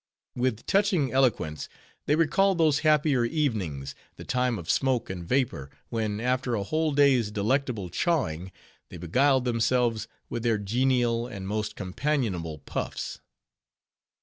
With touching eloquence they recalled those happier evenings—the time of smoke and vapor; when, after a whole day's delectable "chawing," they beguiled themselves with their genial, and most companionable puffs.